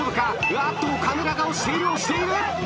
あっと岡村が押している押している。